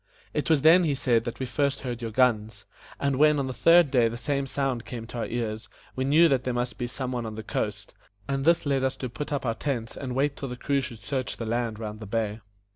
"It was then," he said, "that we first heard your guns; and when on the third day the same sound came to our ears, we knew that there must be some one on the coast, and this led us to put up our tents and wait till the crew should search the land round the bay."